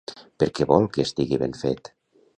Per què vol que estigui ben fet?